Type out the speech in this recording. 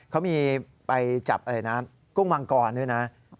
เขามีไปจับอะไรนะกุ้งมังกรด้วยนะ